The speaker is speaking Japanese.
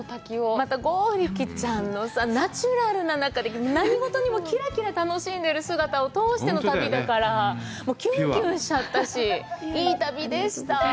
また剛力ちゃんのさ、ナチュラルな中で、何事にもきらきら楽しんでる姿を通しての旅だから、キュンキュンしちゃったし、いい旅でした。